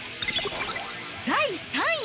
第３位。